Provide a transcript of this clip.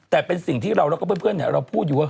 แต่เป็นสิ่งที่เราแล้วก็เพื่อนเราพูดอยู่ว่า